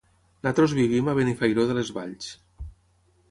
Nosaltres vivim a Benifairó de les Valls.